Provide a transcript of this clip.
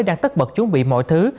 đang tất bật chuẩn bị mọi thứ